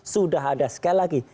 sudah ada sekali lagi